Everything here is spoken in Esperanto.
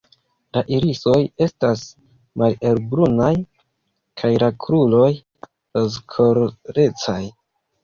La irisoj estas malhelbrunaj kaj la kruroj rozkolorecaj.